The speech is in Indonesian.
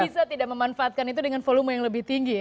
bisa tidak memanfaatkan itu dengan volume yang lebih tinggi ya